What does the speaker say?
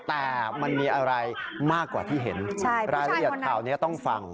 แต่มันมีอะไรมากกว่าที่เห็นรายละเอียดข่าวนี้ต้องฟัง